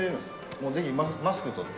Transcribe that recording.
もう、ぜひマスクを取って。